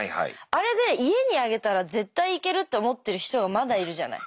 あれで家に上げたら絶対いけると思ってる人がまだいるじゃない。